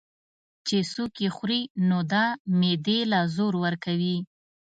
چې څوک ئې خوري نو دا معدې له زور ورکوي